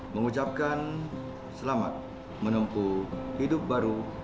mengucapkan selamat menempuh hidup baru